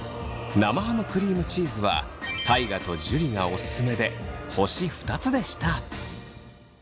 生ハムクリームチーズは大我と樹がオススメで星２つでした。